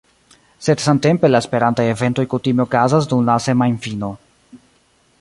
Sed samtempe la Esperantaj eventoj kutime okazas dum la semajnfino